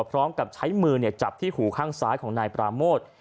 พร้อมกับใช้มือจับที่หูข้างซ้ายของนายปราโมท